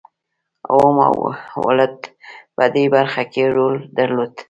اوم او ولټ په دې برخه کې رول درلود.